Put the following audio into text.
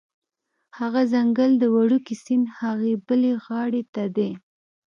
هغه ځنګل د وړوکي سیند هغې بلې غاړې ته دی